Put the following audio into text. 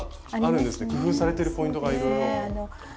工夫されてるポイントがいろいろおもしろい。